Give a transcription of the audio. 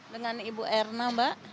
dengan ibu erna mbak